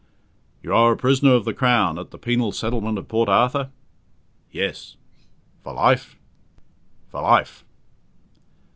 "You are a prisoner of the Crown at the penal settlement of Port Arthur?" "Yes." "For life?" "For life."